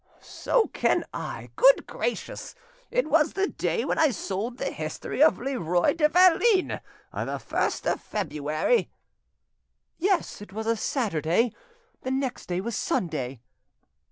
"So can I, good gracious! It was the day when I sold the history of Leroi de Valines, the 1st of February." "Yes, it was a Saturday; the next day was Sunday."